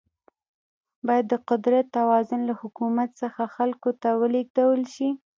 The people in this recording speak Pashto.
باید د قدرت توازن له حکومت څخه خلکو ته ولیږدول شي.